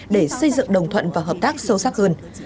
để xây dựng đồng thuận và hợp tác sâu sắc hơn